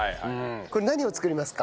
これ何を作りますか？